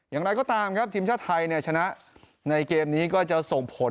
อย่างไรก็ตามครับทีมชาติไทยเนี่ยชนะในเกมนี้ก็จะส่งผล